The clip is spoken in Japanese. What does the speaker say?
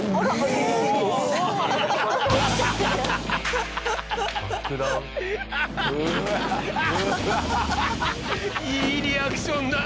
いいリアクションだな！